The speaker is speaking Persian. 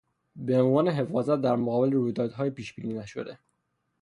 بهعنوان حفاظت در مقابل رویدادهای پیشبینی نشده